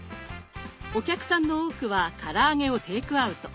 お客さんの多くはから揚げをテイクアウト。